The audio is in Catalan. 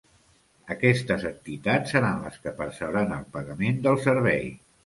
Aquestes entitats seran les que percebran el pagament del servei.